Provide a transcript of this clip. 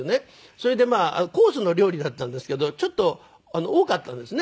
それでまあコースの料理だったんですけどちょっと多かったんですね。